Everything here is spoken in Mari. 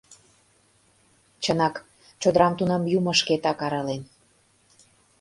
Чынак, чодырам тунам юмо-шкетак арален.